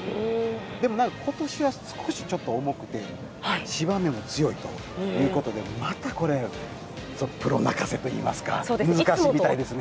でも、ことしは少しちょっと重くて、芝目も強いということで、また、これ、プロ泣かせといいますか難しいみたいですね。